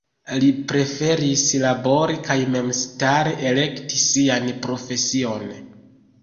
Li preferis labori kaj memstare elekti sian profesion.